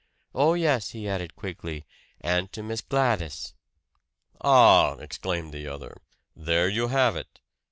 Oh, yes," he added quickly "and to Miss Gladys!" "Ah!" exclaimed the other. "There you have it!